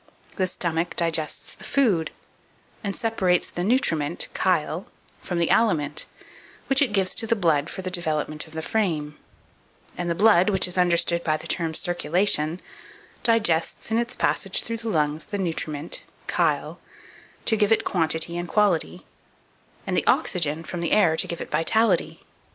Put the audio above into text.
The stomach digests the food, and separates the nutriment chyle from the aliment, which it gives to the blood for the development of the frame; and the blood, which is understood by the term circulation, digests in its passage through the lungs the nutriment chyle to give it quantity and quality, and the oxygen from the air to give it vitality.